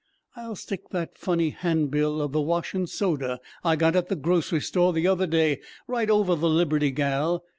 "I'll stick that funny handbill of the 'Washin' Soda' I got at the grocery store the other day right over the Liberty gal.